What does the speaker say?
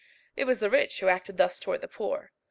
It was the rich who acted thus towards the poor.